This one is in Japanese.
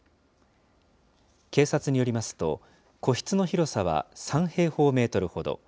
警察によりますと、個室の広さは３平方メートルほど。